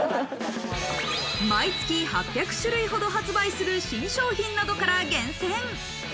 毎月８００種類ほど発売する新商品などから厳選。